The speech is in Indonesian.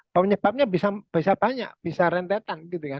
penyebabnya bisa banyak bisa rentetan